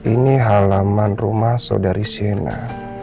ini halaman rumah saudari siena